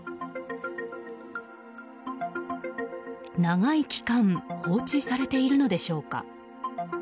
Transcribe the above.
長い期間放置されているのでしょうか。